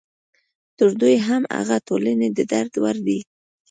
تر دوی هم هغه ټولنې د درد وړ دي.